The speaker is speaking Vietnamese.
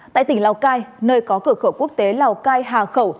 tại tỉnh lào cai nơi có cửa khẩu quốc tế lào cai hà khẩu